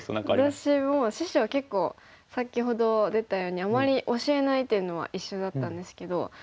私も師匠結構先ほど出たようにあまり教えないっていうのは一緒だったんですけど。